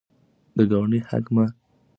د ګاونډي حق مه هېروئ.